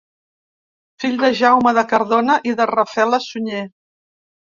Fill de Jaume de Cardona i de Rafela Sunyer.